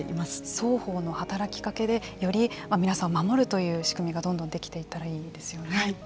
双方の働きかけでより皆さんを守るという仕組みがどんどんできていったらいいですよね。